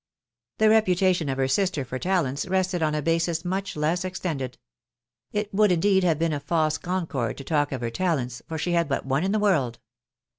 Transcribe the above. The reputation of her sister for talenta rested on a basis much less extended ; it would indeed have been a false con cord to talk of her talents, for she had but one in the world.